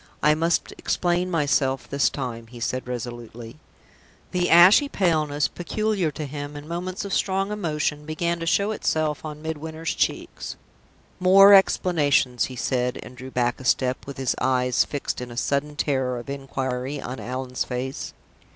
"I must explain myself this time," he said, resolutely. The ashy paleness peculiar to him in moments of strong emotion began to show itself on Midwinter's cheeks. "More explanations!" he said, and drew back a step, with his eyes fixed in a sudden terror of inquiry on Allan's face.